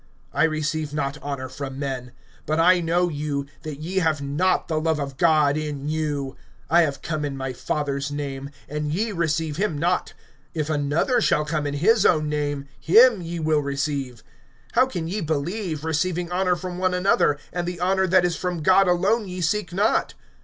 (41)I receive not honor from men. (42)But I know you, that ye have not the love of God in you. (43)I have come in my Father's name, and ye receive me not; if another shall come in his own name, him ye will receive. (44)How can ye believe, receiving honor from one another, and the honor that is from God alone ye seek not?